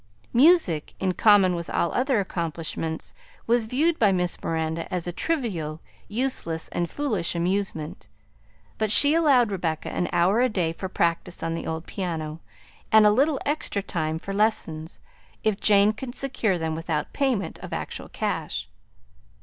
Music, in common with all other accomplishments, was viewed by Miss Miranda as a trivial, useless, and foolish amusement, but she allowed Rebecca an hour a day for practice on the old piano, and a little extra time for lessons, if Jane could secure them without payment of actual cash.